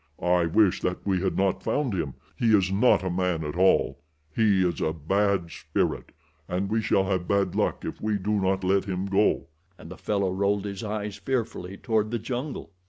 I wish that we had not found him. He is not a man at all—he is a bad spirit, and we shall have bad luck if we do not let him go," and the fellow rolled his eyes fearfully toward the jungle.